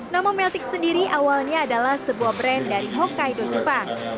nama meltik sendiri awalnya adalah sebuah brand dari hokkaido jepang